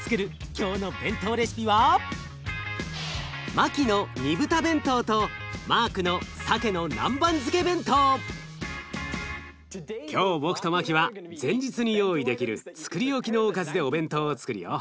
今日の弁当レシピは今日僕とマキは前日に用意できるつくり置きのおかずでお弁当をつくるよ。